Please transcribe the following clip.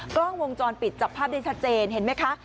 กล้องวงจรปิดจับภาพได้ชัดเจนเห็นไหมคะ